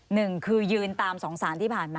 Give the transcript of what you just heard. หนึ่งคือยืนตามสองสารที่ผ่านมา